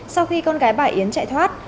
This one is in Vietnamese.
sau khi con gái bà yến chạy thoát